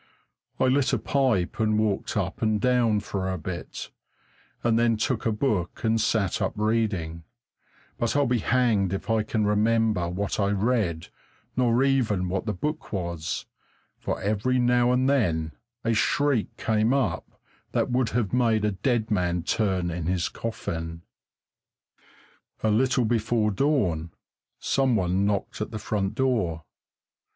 I lit a pipe, and walked up and down for a bit, and then took a book and sat up reading, but I'll be hanged if I can remember what I read nor even what the book was, for every now and then a shriek came up that would have made a dead man turn in his coffin. A little before dawn some one knocked at the front door.